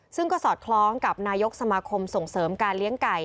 ซึ่งก็สอดคล้องกับนายกสมาคมส่งเสริมการเลี้ยงไก่